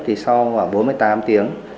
thì sau khoảng bốn mươi tám tiếng